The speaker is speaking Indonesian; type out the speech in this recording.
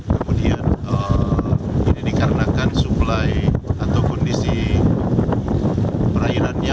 kemudian ini dikarenakan suplai atau kondisi perairannya